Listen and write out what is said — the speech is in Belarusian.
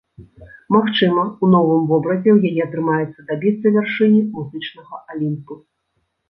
Магчыма, у новым вобразе ў яе атрымаецца дабіцца вяршыні музычнага алімпу.